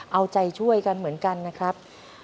เอาใจช่วยกันเหมือนกันนะครับ